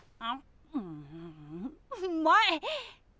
うまい！